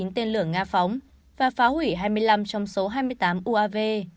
hai mươi chín tên lửa nga phóng và phá hủy hai mươi năm trong số hai mươi tám uav